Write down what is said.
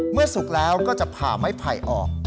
สุกแล้วก็จะผ่าไม้ไผ่ออก